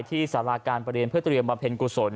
สาราการประเรียนเพื่อเตรียมบำเพ็ญกุศล